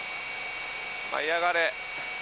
舞い上がれ！